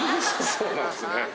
そうなんですね。